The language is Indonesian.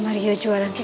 kan kau melukakan aku